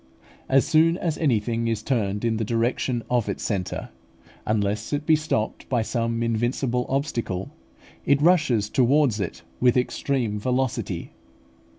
As soon as anything is turned in the direction of its centre, unless it be stopped by some invincible obstacle, it rushes towards it with extreme velocity.